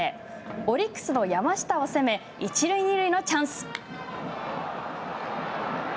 オリックスの山下を攻め一塁二塁のチャンス。